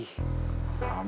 mamang cepet dapat kerjaan lagi